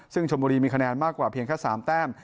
ซึ่งชมบุรีมีคะแนนมากกว่าเพียงแค่๓แต้ม